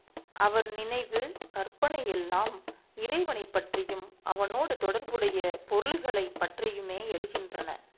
அவர் நினைவு, கற்பனை எல்லாம் இறைவனைப் பற்றியும் அவனோடு தொடர்புடைய பொருள்களைப் பற்றியுமே எழுகின்றன.